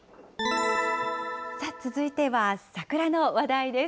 続いては桜の話題です。